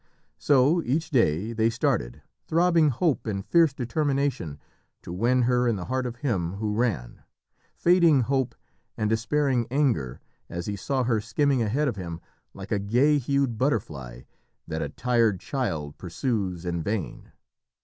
So each day they started, throbbing hope and fierce determination to win her in the heart of him who ran fading hope and despairing anger as he saw her skimming ahead of him like a gay hued butterfly that a tired child pursues in vain.